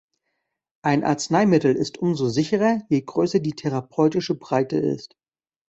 Ein Arzneimittel ist umso sicherer, je größer die therapeutische Breite ist.